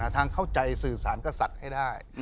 ทางเข้าใจสื่อสารกับสัตว์ให้ได้